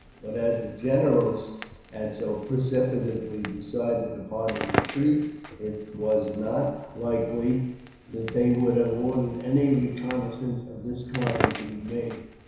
But as the generals had so precipitately decided upon a retreat, it was not likely that they would have ordered any reconnaissance of this kind to be made.